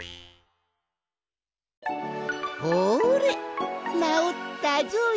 ほれなおったぞい！